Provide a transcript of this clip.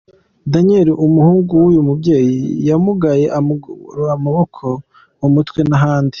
Daniel; umuhungu w’uyu mubyeyi yamugaye amaguru, amaboko, mu mutwe n’ahandi.